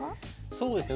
そうですね。